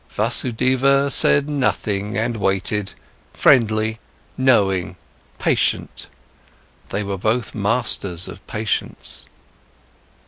Vasudeva also said nothing and waited, friendly, knowing, patient. They were both masters of patience.